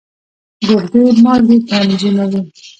ګردې مالګې تنظیموي.